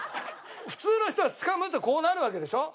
普通の人はつかむとこうなるわけでしょ。